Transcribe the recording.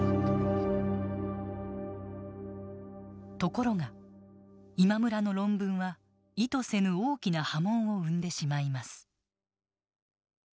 ところが今村の論文は意図せぬ大きな波紋を生んでしまいます。